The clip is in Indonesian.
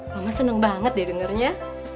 mama seneng banget deh dengernya